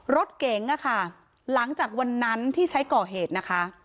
รถเก๋งอะค่ะหลังจากวันนั้นที่ใช้ก่อเหตุนะคะ